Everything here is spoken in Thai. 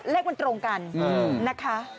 เลขมันตรงกันนะคะ